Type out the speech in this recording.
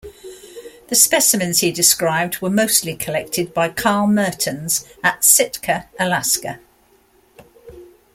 The specimens he described were mostly collected by Carl Mertens at Sitka, Alaska.